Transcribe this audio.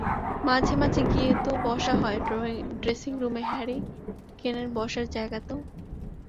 মাঝে মাঝে গিয়ে তো বসা হয় ড্রেসিংরুমে হ্যারি কেনের বসার জায়গাতেও।